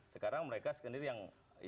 sekarang mereka sendiri yang